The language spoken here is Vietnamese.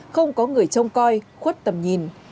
không có người trông coi khuất tầm nhìn